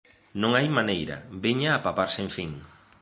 Non hai maneira, veña a papar sen fin